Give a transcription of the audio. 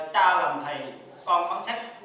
cha làm thầy con bắn sách